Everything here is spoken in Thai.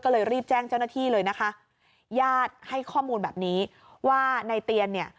ก็เลยรีบแจ้งเจ้าหน้าที่เลยนะคะญาติให้ข้อมูลแบบนี้ว่าในเตียนเนี่ย